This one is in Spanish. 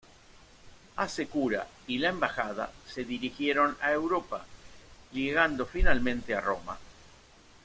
Hasekura y la embajada se dirigieron a Europa, llegando finalmente a Roma.